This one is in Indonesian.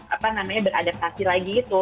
apa namanya beradaptasi lagi itu